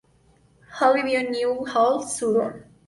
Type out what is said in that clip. Hall vivió en New Hall, Sutton.